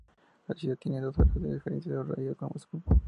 La ciudad tiene dos horas de diferencia horaria con Moscú.